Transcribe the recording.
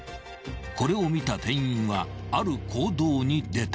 ［これを見た店員はある行動に出た］